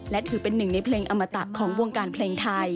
และถือเป็นหนึ่งในเพลงอมตะของวงการเพลงไทย